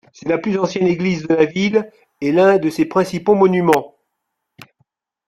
C'est la plus ancienne église de la ville et l'un de ses principaux monuments.